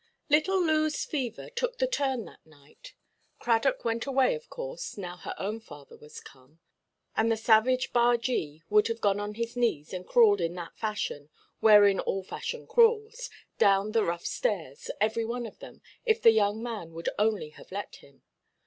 Little Looʼs fever "took the turn" that night. Cradock went away, of course, now her own father was come; and the savage bargee would have gone on his knees, and crawled in that fashion—wherein all fashion crawls—down the rough stairs, every one of them, if the young man would only have let him.